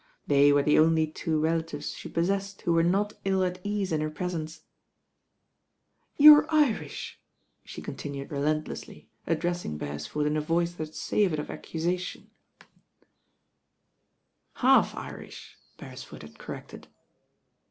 They were the only two relatives she possessed who were not ill at ease in her presence. "You're Irish," she continued relentlessly, ad dressing Beresford in a voice that savoured of ac cusation. ^ i; THE BOAD TO NOWHERE n t "Half Irish," Beresford had corrected.